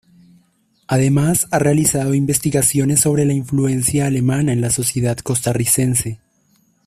Además ha realizado investigaciones sobre la influencia alemana en la sociedad costarricense.